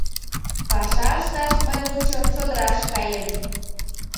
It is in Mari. — Паша ышташ мый лучо чодыраш каем.